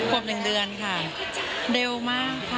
ครบ๑เดือนค่ะเด็วมากค่ะ